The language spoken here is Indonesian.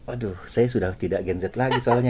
aduh saya sudah tidak gen z lagi soalnya